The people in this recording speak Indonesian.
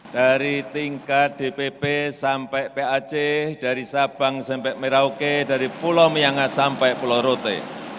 dari tingkat dpp sampai pac dari sabang sampai merauke dari pulau myangas sampai pulau rote